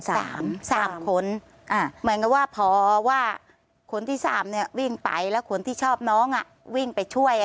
๓คนหมายนึงว่าพอว่าคนที่๓วิ่งไปแล้วคนที่ชอบน้องวิ่งไปช่วย